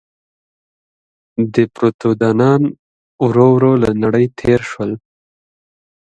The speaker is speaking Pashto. دیپروتودونان ورو ورو له نړۍ تېر شول.